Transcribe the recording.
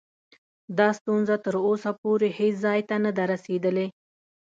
دا ستونزه تر اوسه پورې هیڅ ځای ته نه ده رسېدلې.